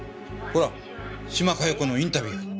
ほら島加代子のインタビュー。